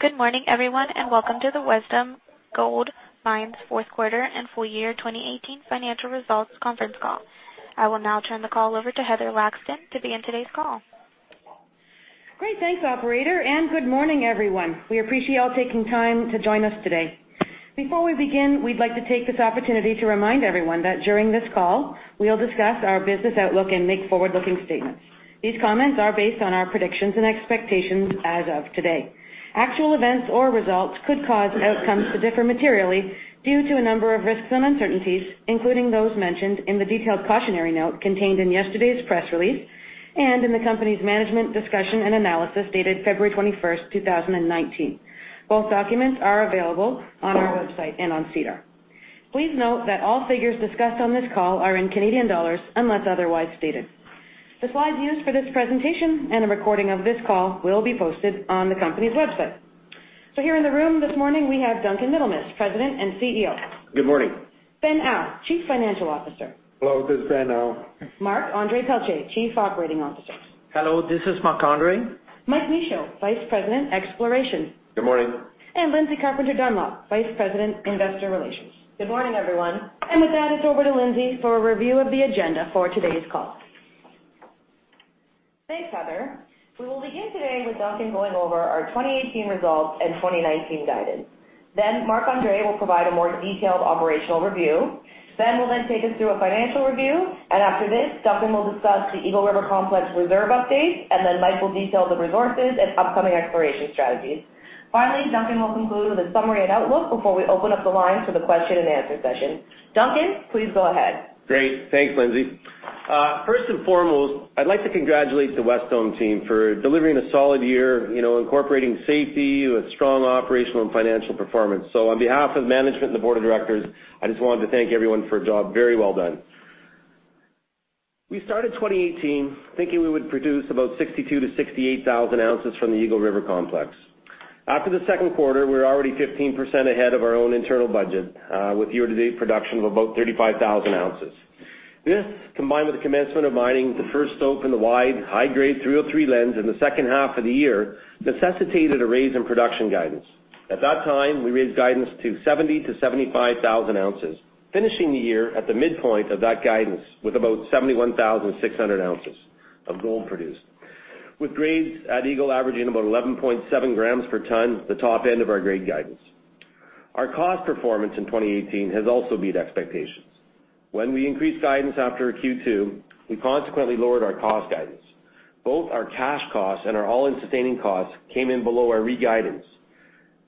Good morning, everyone, and welcome to the Wesdome Gold Mines fourth quarter and full year 2018 financial results conference call. I will now turn the call over to Heather Laxton to begin today's call. Great. Thanks, operator. Good morning, everyone. We appreciate you all taking time to join us today. Before we begin, we'd like to take this opportunity to remind everyone that during this call, we'll discuss our business outlook and make forward-looking statements. These comments are based on our predictions and expectations as of today. Actual events or results could cause outcomes to differ materially due to a number of risks and uncertainties, including those mentioned in the detailed cautionary note contained in yesterday's press release, in the company's management discussion and analysis dated February 21st, 2019. Both documents are available on our website and on SEDAR. Please note that all figures discussed on this call are in Canadian dollars, unless otherwise stated. The slides used for this presentation and a recording of this call will be posted on the company's website. Here in the room this morning, we have Duncan Middlemiss, President and CEO. Good morning. Ben Au, Chief Financial Officer. Hello, this is Ben Au. Marc-André Pelletier, Chief Operating Officer. Hello, this is Marc-André. Mike Michaud, Vice President, Exploration. Good morning. Lindsay Carpenter Dunlop, Vice President, Investor Relations. Good morning, everyone. With that, it's over to Lindsay for a review of the agenda for today's call. Thanks, Heather. We will begin today with Duncan going over our 2018 results and 2019 guidance. Marc-André will provide a more detailed operational review. Ben will then take us through a financial review. After this, Duncan will discuss the Eagle River Complex reserve update. Mike will detail the resources and upcoming exploration strategies. Duncan will conclude with a summary and outlook before we open up the line for the question and answer session. Duncan, please go ahead. Great. Thanks, Lindsay. First and foremost, I'd like to congratulate the Wesdome team for delivering a solid year, incorporating safety with strong operational and financial performance. On behalf of management and the board of directors, I just wanted to thank everyone for a job very well done. We started 2018 thinking we would produce about 62,000-68,000 ounces from the Eagle River Complex. After the second quarter, we were already 15% ahead of our own internal budget, with year-to-date production of about 35,000 ounces. This, combined with the commencement of mining the first stope in the wide, high-grade 303 lens in the second half of the year, necessitated a raise in production guidance. At that time, we raised guidance to 70,000-75,000 ounces, finishing the year at the midpoint of that guidance, with about 71,600 ounces of gold produced, with grades at Eagle averaging about 11.7 grams per ton, the top end of our grade guidance. Our cost performance in 2018 has also beat expectations. When we increased guidance after Q2, we consequently lowered our cost guidance. Both our cash costs and our all-in sustaining costs came in below our re-guidance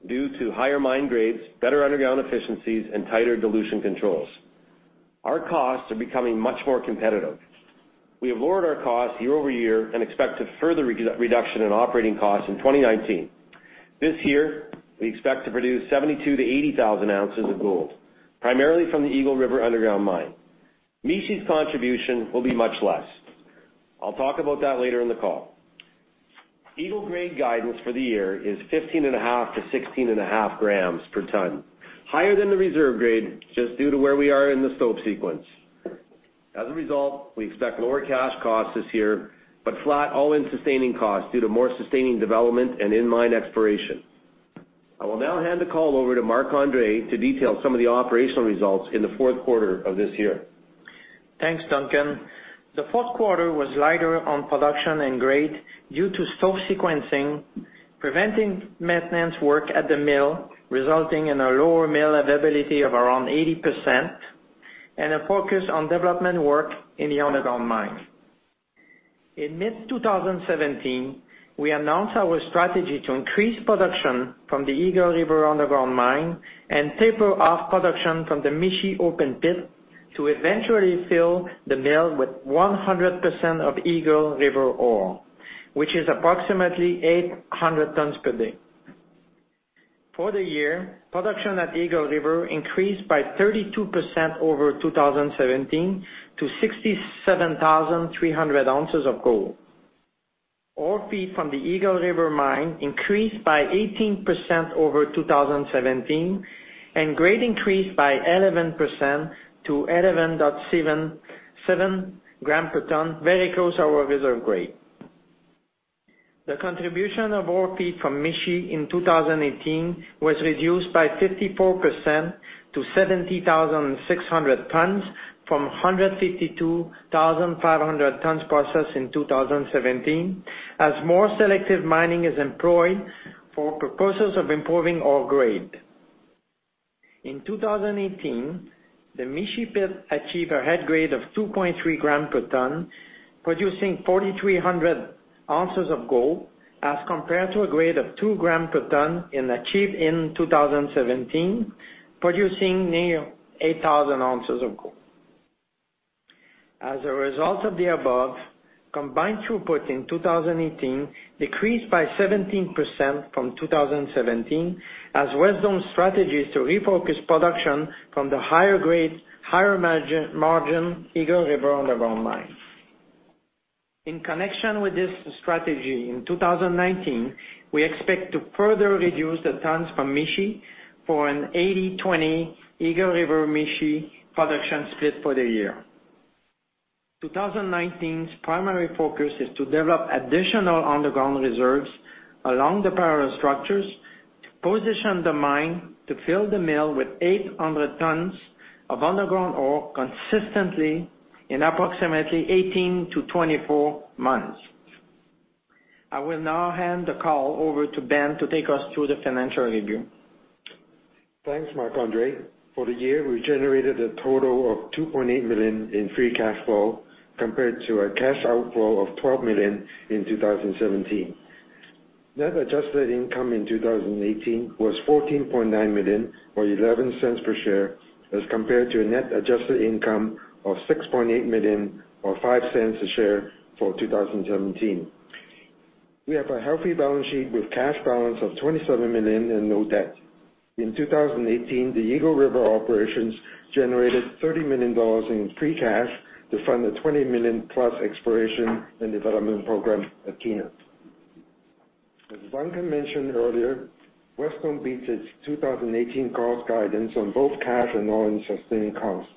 due to higher mine grades, better underground efficiencies, and tighter dilution controls. Our costs are becoming much more competitive. We have lowered our costs year-over-year and expect a further reduction in operating costs in 2019. This year, we expect to produce 72,000-80,000 ounces of gold, primarily from the Eagle River Underground Mine. Mishi's contribution will be much less. I'll talk about that later in the call. Eagle grade guidance for the year is 15.5-16.5 grams per ton, higher than the reserve grade just due to where we are in the stope sequence. As a result, we expect lower cash costs this year, but flat all-in sustaining costs due to more sustaining development and in-mine exploration. I will now hand the call over to Marc-André to detail some of the operational results in the fourth quarter of this year. Thanks, Duncan. The fourth quarter was lighter on production and grade due to stope sequencing, preventing maintenance work at the mill, resulting in a lower mill availability of around 80%, and a focus on development work in the underground mine. In mid-2017, we announced our strategy to increase production from the Eagle River Underground Mine and taper off production from the Mishi open pit to eventually fill the mill with 100% of Eagle River ore, which is approximately 800 tons per day. For the year, production at Eagle River increased by 32% over 2017 to 67,300 ounces of gold. Ores from the Eagle River Mine increased by 18% over 2017, and grade increased by 11% to 11.7 gram per ton, very close to our reserve grade. The contribution of ore from Mishi in 2018 was reduced by 54% to 70,600 tons from 152,500 tons processed in 2017, as more selective mining is employed for purposes of improving ore grade. In 2018, the Mishi pit achieved a head grade of 2.3 gram per ton, producing 4,300 ounces of gold as compared to a grade of 2 gram per ton achieved in 2017, producing near 8,000 ounces of gold. As a result of the above, combined throughput in 2018 decreased by 17% from 2017 as Wesdome strategies to refocus production from the higher grade, higher margin Eagle River Underground Mine. In connection with this strategy, in 2019, we expect to further reduce the tons from Mishi for an 80/20 Eagle River Mishi production split for the year. 2019's primary focus is to develop additional underground reserves along the parallel structures to position the mine to fill the mill with 800 tons of underground ore consistently in approximately 18-24 months. I will now hand the call over to Ben to take us through the financial review. Thanks, Marc-André. For the year, we generated a total of 2.8 million in free cash flow, compared to a cash outflow of 12 million in 2017. Net adjusted income in 2018 was 14.9 million or 0.11 per share, as compared to a net adjusted income of 6.8 million or 0.05 a share for 2017. We have a healthy balance sheet with cash balance of 27 million and no debt. In 2018, the Eagle River operations generated 30 million dollars in free cash to fund the 20 million+ exploration and development program at Kiena. As Duncan mentioned earlier, Wesdome beat its 2018 cost guidance on both cash and all-in sustaining costs.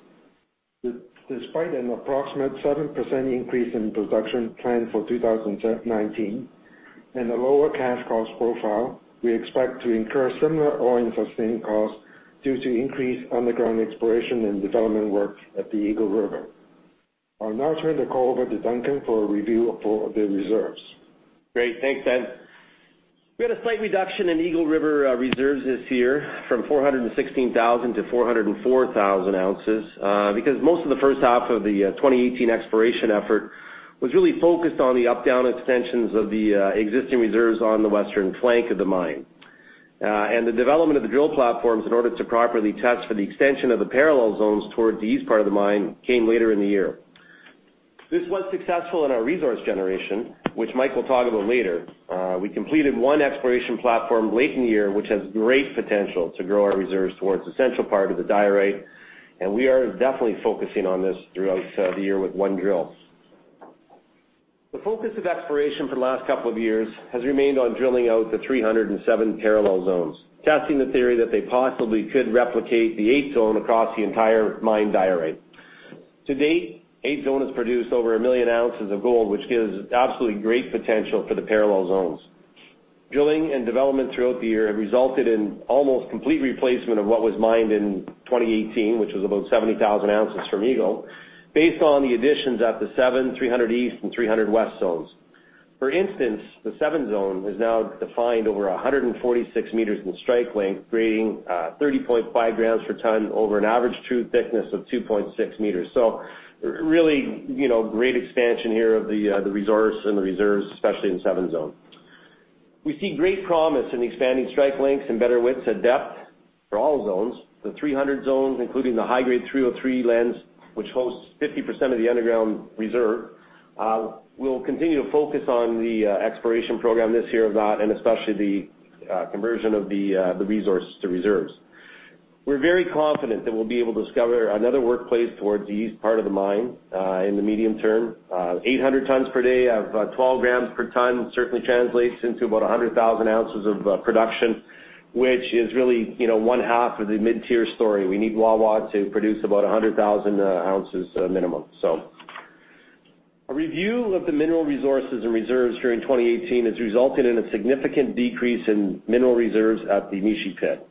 Despite an approximate 7% increase in production planned for 2019 and a lower cash cost profile, we expect to incur similar all-in sustaining costs due to increased underground exploration and development work at the Eagle River. I'll now turn the call over to Duncan for a review of the reserves. Great. Thanks, Ben. We had a slight reduction in Eagle River reserves this year from 416,000-404,000 ounces, because most of the first half of the 2018 exploration effort was really focused on the up-down extensions of the existing reserves on the western flank of the mine. The development of the drill platforms in order to properly test for the extension of the parallel zones toward the east part of the mine came later in the year. This was successful in our resource generation, which Mike will talk about later. We completed one exploration platform late in the year, which has great potential to grow our reserves towards the central part of the diorite, and we are definitely focusing on this throughout the year with one drill. The focus of exploration for the last couple of years has remained on drilling out the 307 parallel zones, testing the theory that they possibly could replicate the Eighth Zone across the entire mine diorite. To date, Eighth Zone has produced over 1 million ounces of gold, which gives absolutely great potential for the parallel zones. Drilling and development throughout the year have resulted in almost complete replacement of what was mined in 2018, which was about 70,000 ounces from Eagle, based on the additions at the Seven, 300 East, and 300 West Zones. For instance, the Seventh Zone is now defined over 146 meters in strike length, grading 30.5 grams per ton over an average true thickness of 2.6 meters. Really great expansion here of the resource and the reserves, especially in Seventh Zone. We see great promise in expanding strike lengths and better widths at depth for all zones. The 300 Zones, including the high-grade 303 lens, which hosts 50% of the underground reserve. We will continue to focus on the exploration program this year of that, and especially the conversion of the resource to reserves. We are very confident that we will be able to discover another workplace towards the east part of the mine in the medium term. 800 tons per day of 12 grams per ton certainly translates into about 100,000 ounces of production, which is really one half of the mid-tier story. We need Wawa to produce about 100,000 ounces minimum. A review of the mineral resources and reserves during 2018 has resulted in a significant decrease in mineral reserves at the Mishi Pit.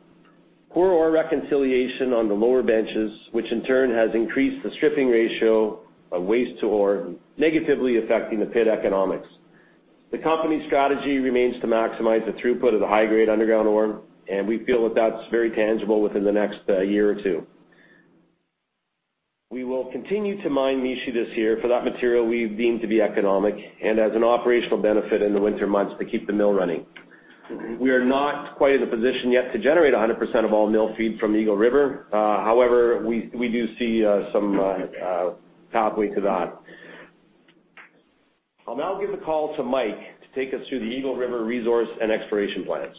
Poor ore reconciliation on the lower benches, which in turn has increased the stripping ratio of waste to ore, negatively affecting the pit economics. The company's strategy remains to maximize the throughput of the high-grade underground ore, and we feel that that's very tangible within the next one or two years. We will continue to mine Mishi this year for that material we have deemed to be economic and as an operational benefit in the winter months to keep the mill running. We are not quite in the position yet to generate 100% of all mill feed from Eagle River. However, we do see some pathway to that. I will now give the call to Mike to take us through the Eagle River resource and exploration plans.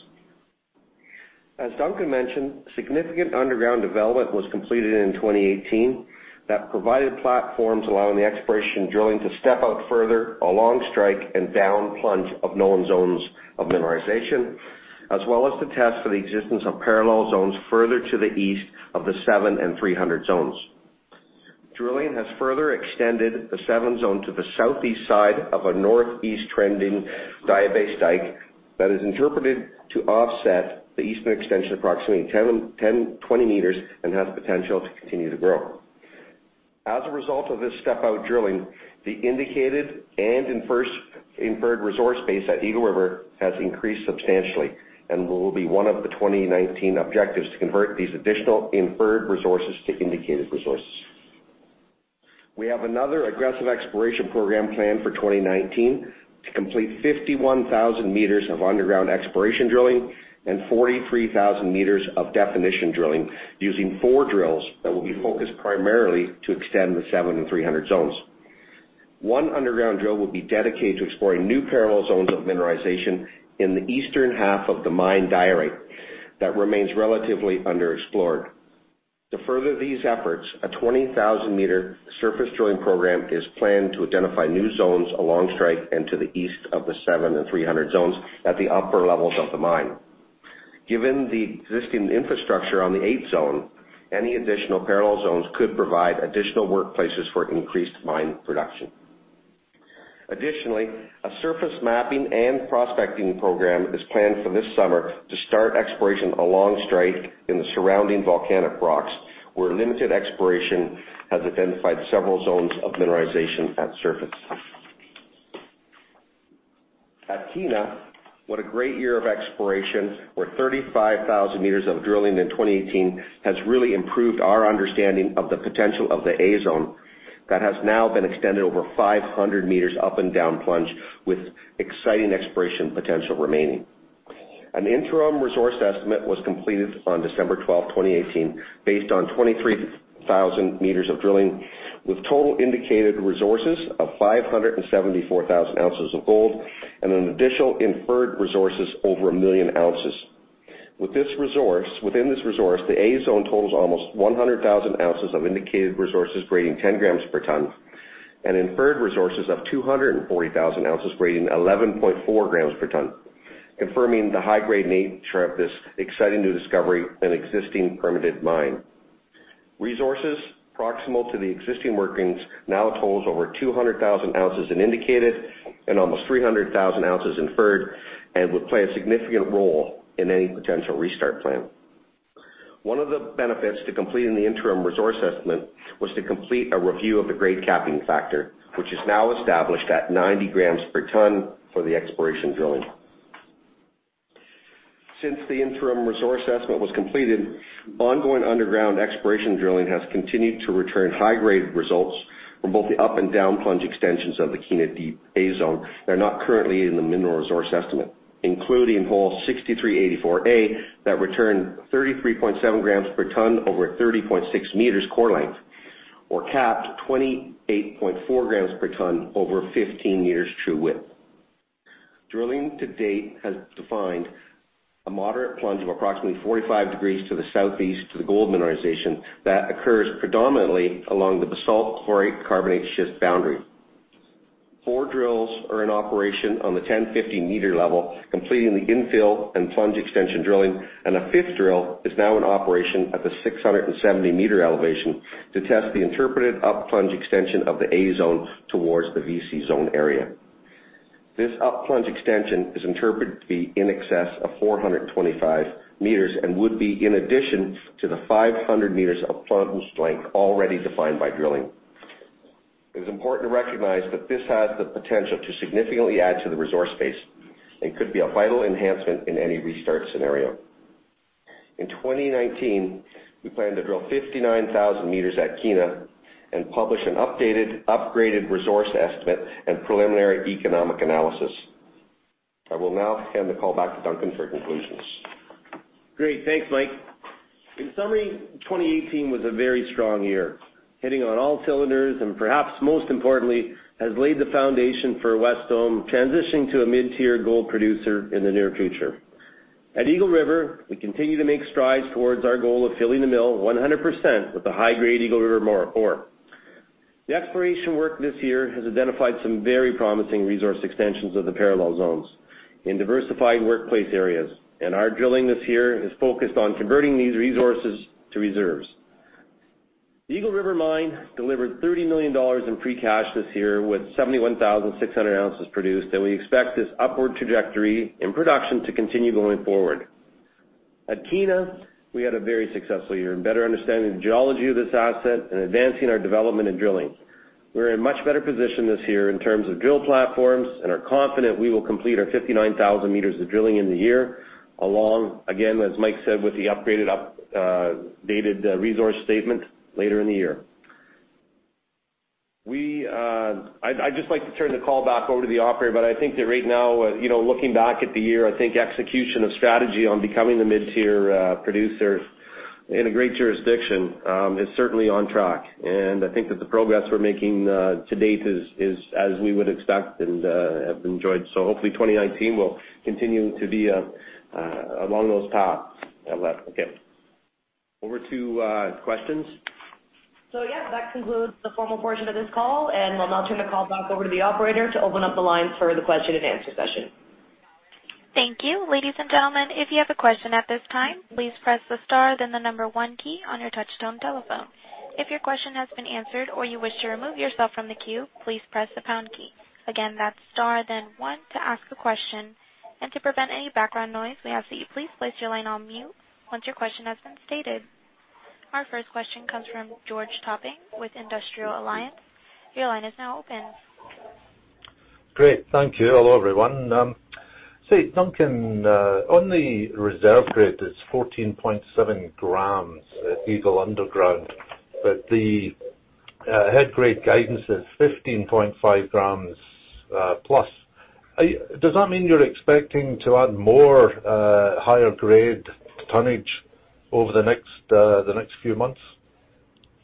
As Duncan mentioned, significant underground development was completed in 2018 that provided platforms allowing the exploration drilling to step out further along strike and down plunge of known zones of mineralization, as well as to test for the existence of parallel zones further to the east of the 7 and 300 Zones. Drilling has further extended the 7th Zone to the southeast side of a northeast-trending diabase dike that is interpreted to offset the eastern extension approximately 1,020 meters and has potential to continue to grow. As a result of this step-out drilling, the indicated and inferred resource base at Eagle River has increased substantially and will be one of the 2019 objectives to convert these additional inferred resources to indicated resources. We have another aggressive exploration program planned for 2019 to complete 51,000 meters of underground exploration drilling and 43,000 meters of definition drilling using four drills that will be focused primarily to extend the 7 and 300 Zones. One underground drill will be dedicated to exploring new parallel zones of mineralization in the eastern half of the mine diorite that remains relatively underexplored. To further these efforts, a 20,000 meter surface drilling program is planned to identify new zones along strike and to the east of the 7 and 300 Zones at the upper levels of the mine. Given the existing infrastructure on the 8th Zone, any additional parallel zones could provide additional workplaces for increased mine production. Additionally, a surface mapping and prospecting program is planned for this summer to start exploration along strike in the surrounding volcanic rocks, where limited exploration has identified several zones of mineralization at surface. At Kiena, what a great year of exploration, where 35,000 meters of drilling in 2018 has really improved our understanding of the potential of the A Zone that has now been extended over 500 meters up and down plunge, with exciting exploration potential remaining. An interim resource estimate was completed on December 12, 2018, based on 23,000 meters of drilling, with total indicated resources of 574,000 ounces of gold and an additional inferred resources over 1 million ounces. Within this resource, the A Zone totals almost 100,000 ounces of indicated resources grading 10 grams per ton, and inferred resources of 240,000 ounces grading 11.4 grams per ton, confirming the high-grade nature of this exciting new discovery and existing permitted mine. Resources proximal to the existing workings now totals over 200,000 ounces in indicated and almost 300,000 ounces inferred and would play a significant role in any potential restart plan. One of the benefits to completing the interim resource estimate was to complete a review of the grade capping factor, which is now established at 90 grams per ton for the exploration drilling. Since the interim resource estimate was completed, ongoing underground exploration drilling has continued to return high-grade results from both the up and down plunge extensions of the Kiena Deep A Zone that are not currently in the mineral resource estimate, including hole 6384A, that returned 33.7 grams per ton over 30.6 meters core length or capped 28.4 grams per ton over 15 meters true width. Drilling to date has defined a moderate plunge of approximately 45 degrees to the southeast to the gold mineralization that occurs predominantly along the basalt chlorite-carbonate schist boundary. Four drills are in operation on the 1,050 meter level, completing the infill and plunge extension drilling, and a fifth drill is now in operation at the 670 meter elevation to test the interpreted up-plunge extension of the A Zone towards the VC Zone area. This up-plunge extension is interpreted to be in excess of 425 meters and would be in addition to the 500 meters of plunge length already defined by drilling. It is important to recognize that this has the potential to significantly add to the resource base and could be a vital enhancement in any restart scenario. In 2019, we plan to drill 59,000 meters at Kiena and publish an updated, upgraded resource estimate and preliminary economic analysis. I will now hand the call back to Duncan for conclusions. Great. Thanks, Mike. In summary, 2018 was a very strong year, hitting on all cylinders, and perhaps most importantly, has laid the foundation for Wesdome transitioning to a mid-tier gold producer in the near future. At Eagle River, we continue to make strides towards our goal of filling the mill 100% with the high-grade Eagle River Mine ore. The exploration work this year has identified some very promising resource extensions of the parallel universes in diversified workplace areas, and our drilling this year is focused on converting these resources to reserves. The Eagle River Mine delivered 30 million dollars in free cash this year with 71,600 ounces produced, and we expect this upward trajectory in production to continue going forward. At Kiena, we had a very successful year in better understanding the geology of this asset and advancing our development and drilling. We're in much better position this year in terms of drill platforms and are confident we will complete our 59,000 meters of drilling in the year along, again, as Mike said, with the upgraded resource statement later in the year. I'd just like to turn the call back over to the operator. I think that right now, looking back at the year, I think execution of strategy on becoming a mid-tier producer in a great jurisdiction is certainly on track. I think that the progress we're making to date is as we would expect and have enjoyed. Hopefully, 2019 will continue to be along those paths. Over to questions. Yes, that concludes the formal portion of this call. I'll now turn the call back over to the operator to open up the lines for the question and answer session. Thank you. Ladies and gentlemen, if you have a question at this time, please press the star then the number one key on your touchtone telephone. If your question has been answered or you wish to remove yourself from the queue, please press the pound key. Again, that's star then one to ask a question. To prevent any background noise, we ask that you please place your line on mute once your question has been stated. Our first question comes from George Topping with Industrial Alliance. Your line is now open. Great. Thank you. Hello, everyone. Duncan, on the reserve rate is 14.7 grams at Eagle underground. The head grade guidance is 15.5 grams+. Does that mean you're expecting to add more higher-grade tonnage over the next few months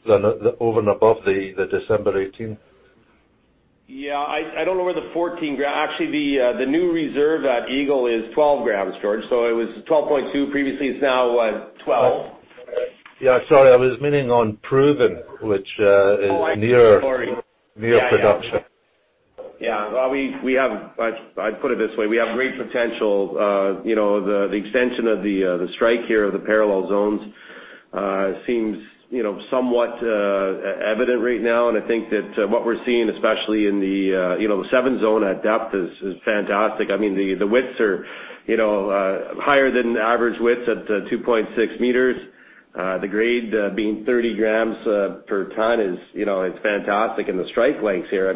over and above the December 2018? Yeah. I don't know where the 14 gram. Actually, the new reserve at Eagle is 12 grams, George. It was 12.2 previously. It's now what? 12. Yeah. Sorry, I was meaning on proven, which is near production. Yeah. I'd put it this way, we have great potential. The extension of the strike here of the parallel zones seems somewhat evident right now, and I think that what we're seeing, especially in the 711 Zone at depth, is fantastic. The widths are higher than average widths at 2.6 meters. The grade being 30 grams per ton is fantastic. The strike lengths here,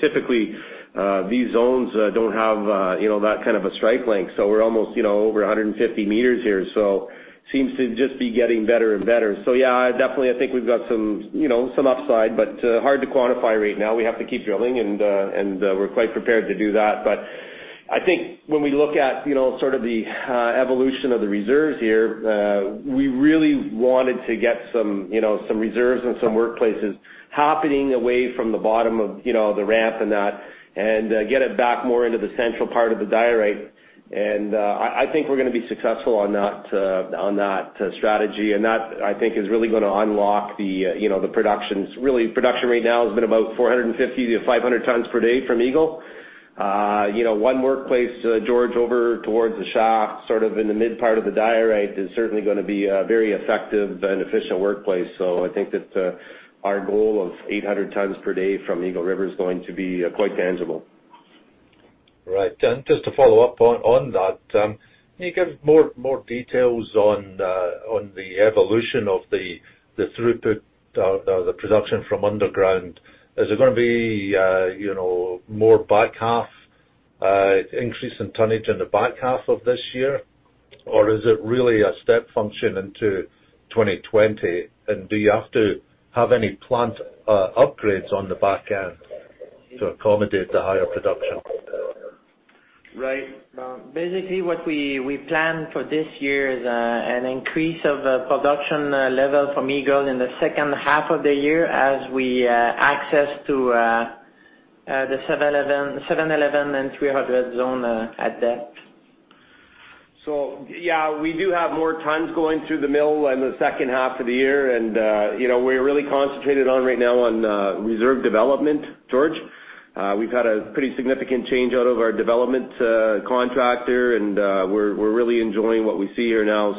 typically, these zones don't have that kind of a strike length. We're almost over 150 meters here. Seems to just be getting better and better. Yeah, definitely, I think we've got some upside, but hard to quantify right now. We have to keep drilling, and we're quite prepared to do that. I think when we look at sort of the evolution of the reserves here, we really wanted to get some reserves and some workplaces happening away from the bottom of the ramp and that, and get it back more into the central part of the diorite. I think we're going to be successful on that strategy, and that, I think, is really going to unlock the productions. Really, production right now has been about 450-500 tons per day from Eagle. One workplace, George, over towards the shaft, sort of in the mid part of the diorite, is certainly going to be a very effective and efficient workplace. I think that our goal of 800 tons per day from Eagle River is going to be quite tangible. Right. Just to follow up on that, can you give more details on the evolution of the throughput, the production from underground? Is it going to be more increase in tonnage in the back half of this year? Is it really a step function into 2020? Do you have to have any plant upgrades on the back end to accommodate the higher production? Right. Basically, what we plan for this year is an increase of production level from Eagle in the second half of the year as we access to the 711 Zone and 300 zone at depth. Yeah, we do have more tons going through the mill in the second half of the year. We're really concentrated right now on reserve development, George. We've had a pretty significant change out of our development contractor, and we're really enjoying what we see here now.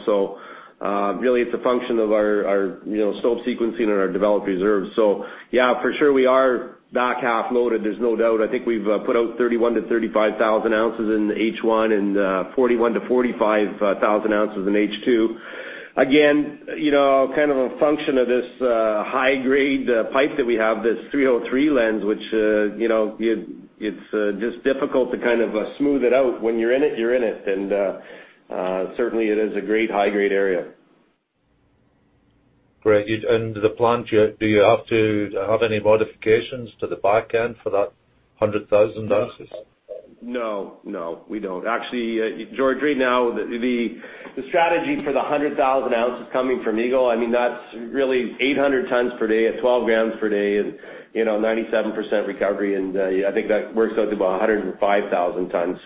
Really, it's a function of our stope sequencing and our developed reserves. Yeah, for sure we are back half loaded, there's no doubt. I think we've put out 31,000-35,000 ounces in H1 and 41,000-45,000 ounces in H2. Again, a function of this high-grade pipe that we have, this 303 lens, which it's just difficult to kind of smooth it out. When you're in it, you're in it. Certainly, it is a great high-grade area. Great. The plant, do you have to have any modifications to the back end for that 100,000 ounces? No, we don't. Actually, George, right now, the strategy for the 100,000 ounces coming from Eagle, that's really 800 tons per day at 12 grams per day and 97% recovery, and I think that works out to about 105,000 tons.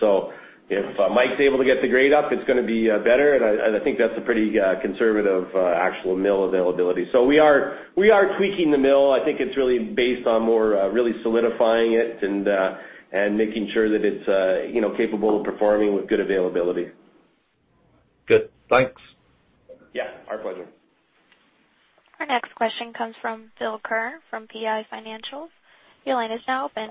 If Mike's able to get the grade up, it's going to be better, and I think that's a pretty conservative actual mill availability. We are tweaking the mill. I think it's really based on more really solidifying it and making sure that it's capable of performing with good availability. Good, thanks. Yeah, our pleasure. Our next question comes from Phil Ker from PI Financial. Phil line is now open.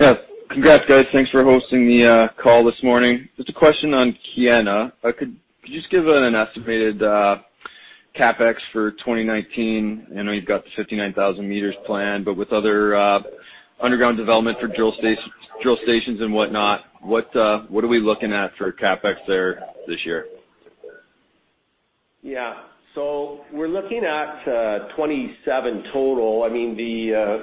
Yeah. Congrats, guys. Thanks for hosting the call this morning. A question on Kiena. Could you give an estimated CapEx for 2019? I know you've got the 59,000 meters planned. With other underground development for drill stations and whatnot, what are we looking at for CapEx there this year? Yeah. We're looking at 27 million total.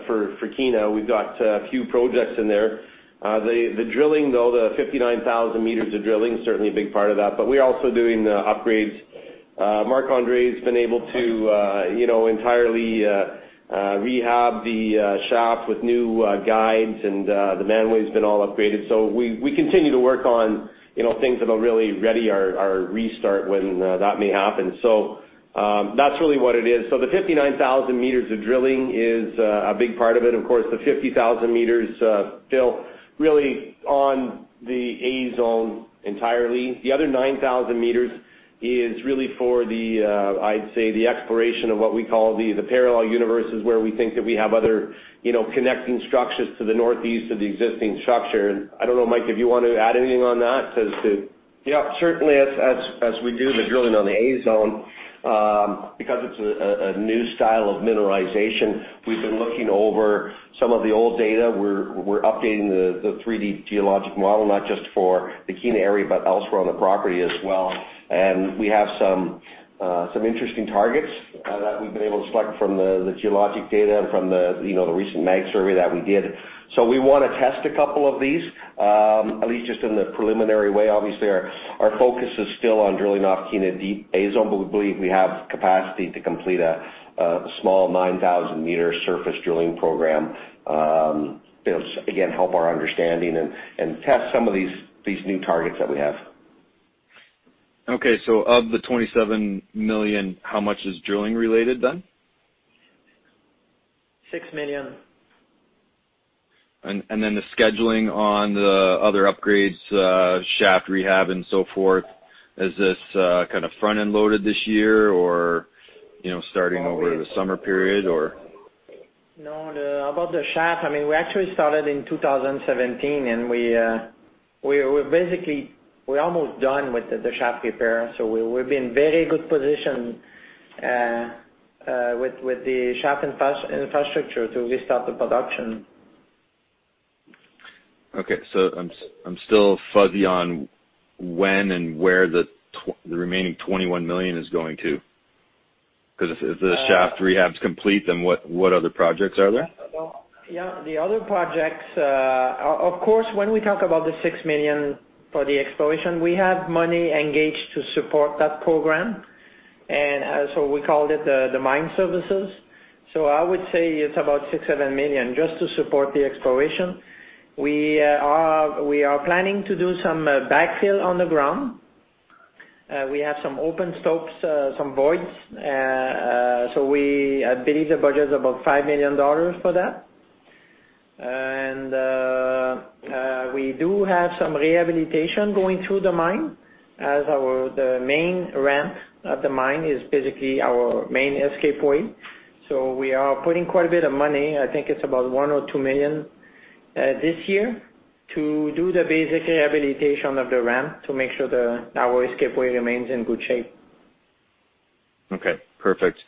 For Kiena, we've got a few projects in there. The drilling, though, the 59,000 meters of drilling is certainly a big part of that. We are also doing upgrades. Marc-André's been able to entirely rehab the shaft with new guides, and the manway's been all upgraded. We continue to work on things that'll really ready our restart when that may happen. That's really what it is. The 59,000 meters of drilling is a big part of it. Of course, the 50,000 meters, Phil, really on the A Zone entirely. The other 9,000 meters is really for the, I'd say, the exploration of what we call the parallel universes, where we think that we have other connecting structures to the northeast of the existing structure. I don't know, Mike, if you want to add anything on that as to Yeah. Certainly, as we do the drilling on the A Zone, because it's a new style of mineralization, we've been looking over some of the old data. We're updating the 3D geologic model, not just for the Kiena area, but elsewhere on the property as well. We have some interesting targets that we've been able to select from the geologic data and from the recent mag survey that we did. We want to test a couple of these, at least just in the preliminary way. Obviously, our focus is still on drilling off Kiena Deep A Zone. We believe we have capacity to complete a small 9,000 meter surface drilling program that'll, again, help our understanding and test some of these new targets that we have. Of the 27 million, how much is drilling related then? 6 million. The scheduling on the other upgrades, shaft rehab and so forth, is this front-end loaded this year, or starting over the summer period, or? No, about the shaft, we actually started in 2017, and we're almost done with the shaft repair. We'll be in very good position with the shaft infrastructure to restart the production. Okay. I'm still fuzzy on when and where the remaining 21 million is going to. Because if the shaft rehab's complete, what other projects are there? Yeah. The other projects, of course, when we talk about the 6 million for the exploration, we have money engaged to support that program. We called it the mine services. I would say it's about 6 million-7 million just to support the exploration. We are planning to do some backfill on the ground. We have some open stopes, some voids. We believe the budget's about 5 million dollars for that. We do have some rehabilitation going through the mine, as the main ramp at the mine is basically our main escape way. We are putting quite a bit of money, I think it's about 1 million or 2 million this year, to do the basic rehabilitation of the ramp to make sure our escape way remains in good shape. Okay, perfect.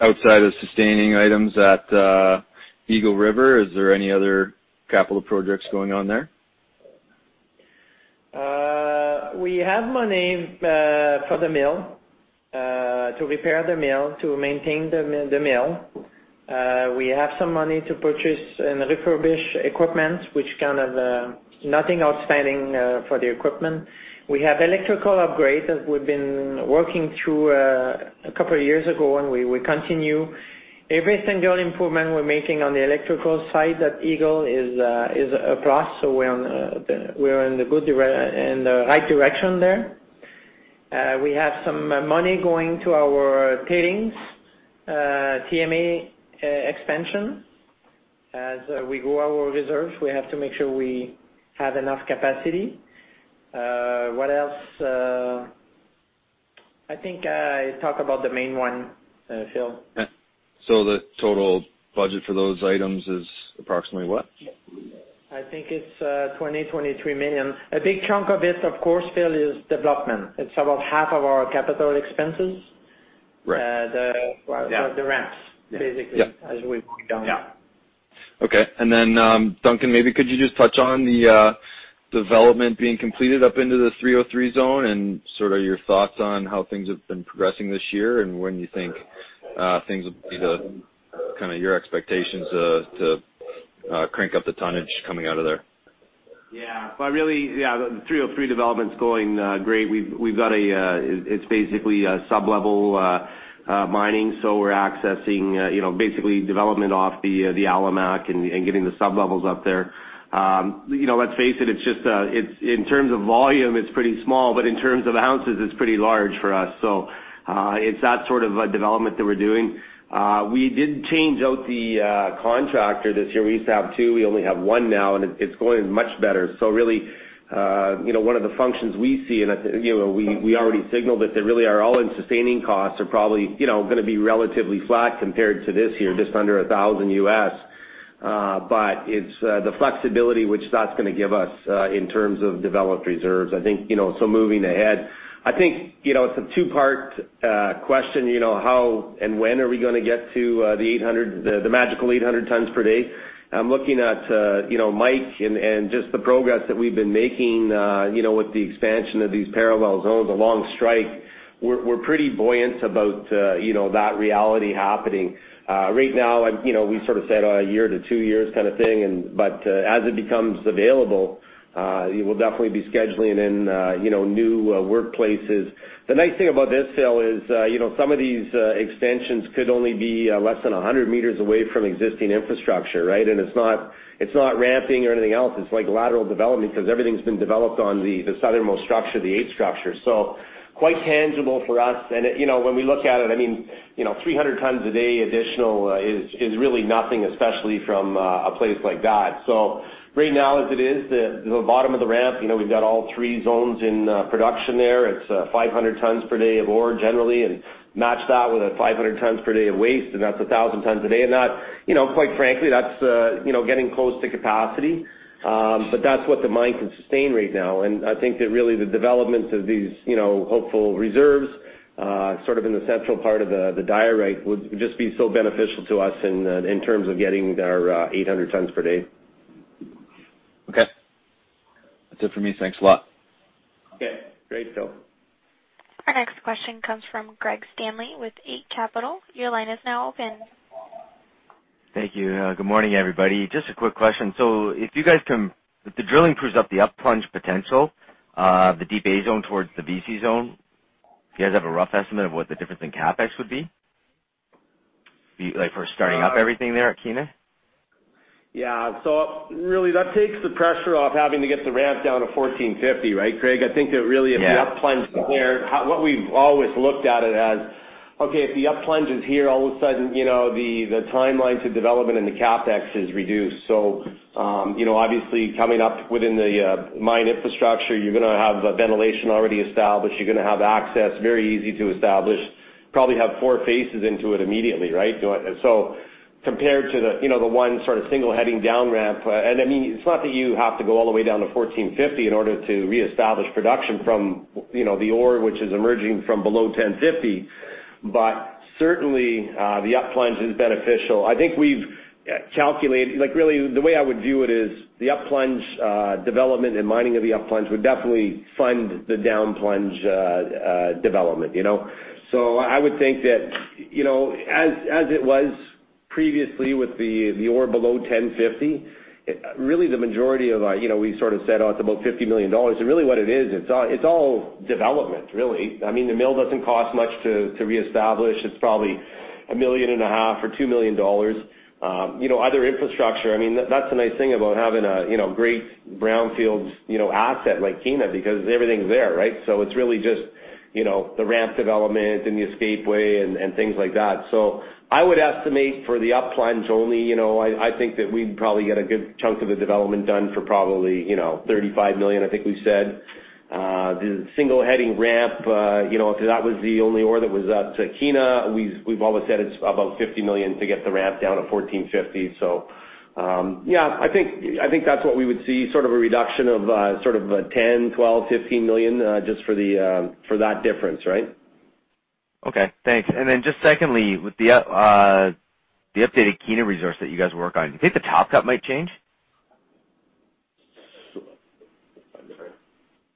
Outside of sustaining items at Eagle River, is there any other capital projects going on there? We have money for the mill, to repair the mill, to maintain the mill. We have some money to purchase and refurbish equipment, which nothing outstanding for the equipment. We have electrical upgrade that we've been working through a couple of years ago, and we continue. Every single improvement we're making on the electrical side at Eagle is a plus. We're in the right direction there. We have some money going to our Tailings Management Area expansion. As we grow our reserves, we have to make sure we have enough capacity. What else? I think I talked about the main one, Phil. The total budget for those items is approximately what? I think it's 20 million-23 million. A big chunk of it, of course, Phil, is development. It's about half of our capital expenses. Right. The ramps, basically, as we work down there. Okay. Duncan, maybe could you just touch on the development being completed up into the 303 Zone and sort of your thoughts on how things have been progressing this year and when you think things would be your expectations to crank up the tonnage coming out of there? Yeah. The 303 development's going great. It's basically a sublevel mining, so we're accessing basically development off the Alimak and getting the sublevels up there. Let's face it, in terms of volume, it's pretty small, but in terms of ounces, it's pretty large for us. It's that sort of a development that we're doing. We did change out the contractor this year. We used to have two, we only have one now, and it's going much better. Really, one of the functions we see, and we already signaled it, our all-in sustaining costs are probably going to be relatively flat compared to this year, just under 1,000. It's the flexibility which that's going to give us in terms of developed reserves, I think, so moving ahead. I think, it's a two-part question, how and when are we going to get to the magical 800 tons per day? I'm looking at Mike and just the progress that we've been making with the expansion of these parallel universes along strike. We're pretty buoyant about that reality happening. Right now, we sort of said a year to two years kind of thing. As it becomes available, we'll definitely be scheduling in new workplaces. The nice thing about this, Phil, is some of these extensions could only be less than 100 meters away from existing infrastructure, right? It's not ramping or anything else. It's like lateral development because everything's been developed on the southernmost structure, the eight structure. Quite tangible for us. When we look at it, 300 tons a day additional is really nothing, especially from a place like that. Right now as it is, the bottom of the ramp, we've got all three zones in production there. It's 500 tons per day of ore generally, and match that with a 500 tons per day of waste, and that's 1,000 tons a day. Quite frankly, that's getting close to capacity. That's what the mine can sustain right now. I think that really the development of these hopeful reserves sort of in the central part of the dike would just be so beneficial to us in terms of getting our 800 tons per day. Okay. That's it for me. Thanks a lot. Okay, great, Phil. Our next question comes from Craig Stanley with Eight Capital. Your line is now open. Thank you. Good morning, everybody. Just a quick question. If you guys can, if the drilling proves up the up plunge potential of the Deep A Zone towards the VC Zone, do you guys have a rough estimate of what the difference in CapEx would be? Like for starting up everything there at Kiena? Yeah. Really that takes the pressure off having to get the ramp down to 1,450, right, Craig? I think that really if the up plunge is there, what we've always looked at it as, okay, if the up plunge is here, all of a sudden, the timeline to development and the CapEx is reduced. Obviously coming up within the mine infrastructure, you're going to have a ventilation already established. You're going to have access very easy to establish, probably have 4 phases into it immediately, right? Compared to the one sort of single heading down ramp, and I mean, it's not that you have to go all the way down to 1,450 in order to reestablish production from the ore, which is emerging from below 1,050. Certainly, the up plunge is beneficial. Really the way I would view it is the up plunge development and mining of the up plunge would definitely fund the down plunge development. I would think that, as it was previously with the ore below 1050, we sort of said, oh, it's about 50 million dollars. Really what it is, it's all development really. I mean, the mill doesn't cost much to reestablish. It's probably a million and a half or 2 million dollars. Other infrastructure, I mean, that's the nice thing about having a great brownfield asset like Kiena because everything's there, right? It's really just the ramp development and the escape way and things like that. I would estimate for the up plunge only, I think that we'd probably get a good chunk of the development done for probably 35 million, I think we said. The single heading ramp, if that was the only ore that was at Kiena, we've always said it's about 50 million to get the ramp down to 1450. Yeah, I think that's what we would see, sort of a reduction of sort of 10 million, 12 million, 15 million, just for that difference, right? Okay, thanks. Just secondly, with the updated Kiena resource that you guys work on, do you think the top cut might change?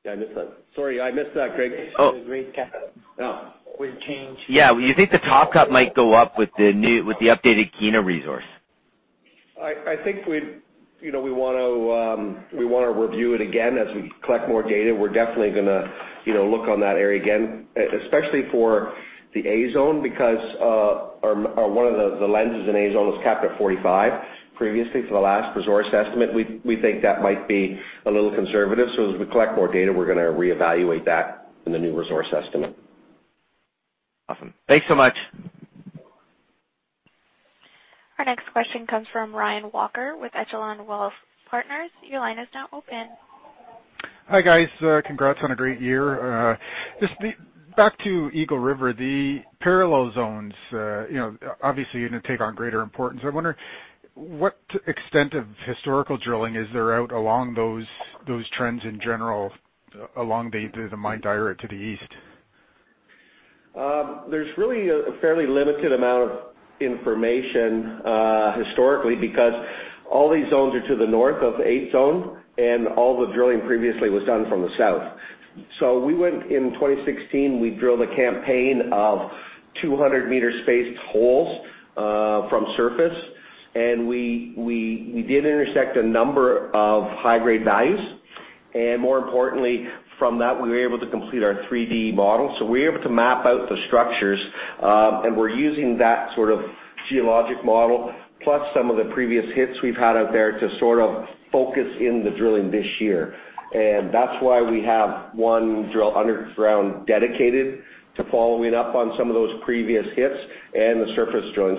Yeah, I missed that. Sorry, I missed that, Craig. Oh. The grade cut. Oh. Will it change? Yeah. You think the top cut might go up with the updated Kiena resource? I think we want to review it again as we collect more data. We're definitely going to look on that area again, especially for the A Zone because one of the lenses in A Zone was capped at 45 previously for the last resource estimate. We think that might be a little conservative, so as we collect more data, we're going to reevaluate that in the new resource estimate. Awesome. Thanks so much. Our next question comes from Ryan Walker with Echelon Wealth Partners. Your line is now open. Hi, guys. Congrats on a great year. Just back to Eagle River, the parallel zones obviously are going to take on greater importance. I wonder what extent of historical drilling is there out along those trends in general, along the mine dyke to the east? There's really a fairly limited amount of information historically because all these zones are to the north of 8th Zone, and all the drilling previously was done from the south. We went in 2016, we drilled a campaign of 200 meter spaced holes from surface, and we did intersect a number of high-grade values. More importantly, from that, we were able to complete our 3D model. We were able to map out the structures, and we're using that sort of geologic model plus some of the previous hits we've had out there to sort of focus in the drilling this year. That's why we have one drill underground dedicated to following up on some of those previous hits and the surface drilling.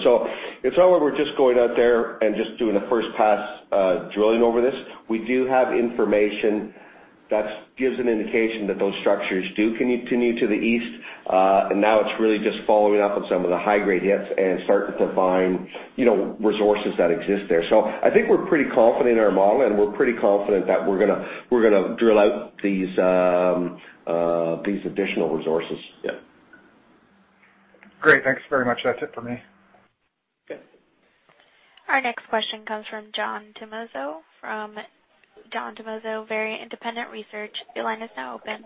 It's not like we're just going out there and just doing a first-pass drilling over this. We do have information that gives an indication that those structures do continue to the east. Now it's really just following up on some of the high-grade hits and starting to define resources that exist there. I think we're pretty confident in our model, and we're pretty confident that we're going to drill out these additional resources. Yeah. Great. Thanks very much. That's it for me. Okay. Our next question comes from John Tumazos from Very Independent Research. Your line is now open.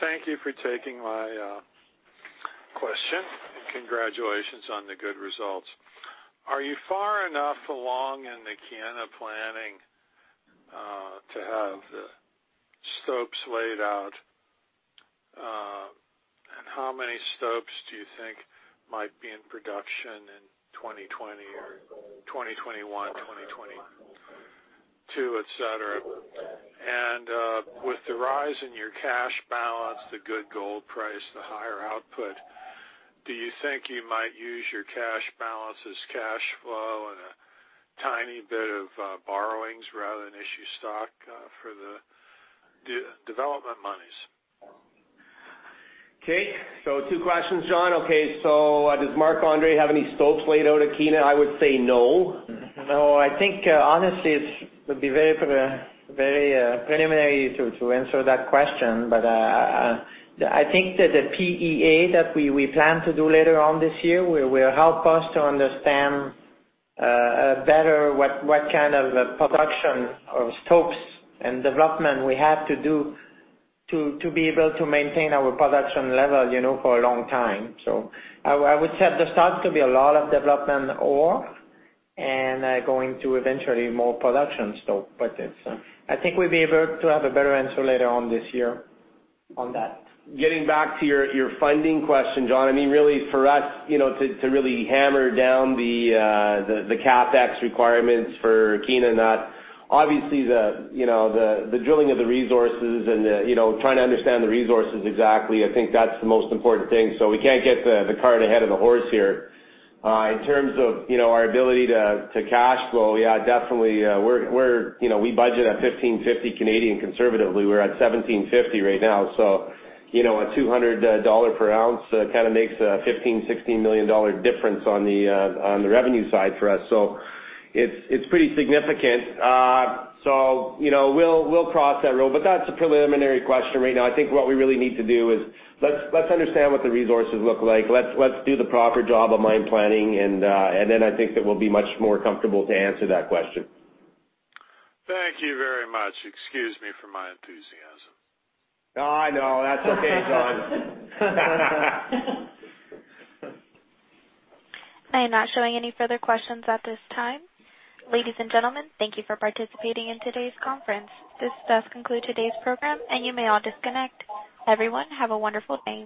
Thank you for taking my question, congratulations on the good results. Are you far enough along in the Kiena planning to have the stopes laid out? How many stopes do you think might be in production in 2020 or 2021, 2022, et cetera? With the rise in your cash balance, the good gold price, the higher output, do you think you might use your cash balance as cash flow and a tiny bit of borrowings rather than issue stock for the development monies? Okay, two questions, John. Okay, does Marc-André have any stopes laid out at Kiena? I would say no. No, I think honestly it would be very preliminary to answer that question. I think that the PEA that we plan to do later on this year will help us to understand better what kind of production of stopes and development we have to do to be able to maintain our production level for a long time. I would say there starts to be a lot of development ore, and going to eventually more production stope. I think we'll be able to have a better answer later on this year on that. Getting back to your funding question, John, I mean, really for us, to really hammer down the CapEx requirements for Kiena, obviously the drilling of the resources and trying to understand the resources exactly, I think that's the most important thing. We can't get the cart ahead of the horse here. In terms of our ability to cash flow, yeah, definitely, we budget at 1,550 Canadian conservatively. We're at 1,750 right now, a 200 dollar per ounce kind of makes a 15 million-16 million dollar difference on the revenue side for us. It's pretty significant. We'll cross that road, that's a preliminary question right now. I think what we really need to do is, let's understand what the resources look like. Let's do the proper job of mine planning, I think that we'll be much more comfortable to answer that question. Thank you very much. Excuse me for my enthusiasm. Oh, I know. That's okay, John. I am not showing any further questions at this time. Ladies and gentlemen, thank you for participating in today's conference. This does conclude today's program. You may all disconnect. Everyone, have a wonderful day.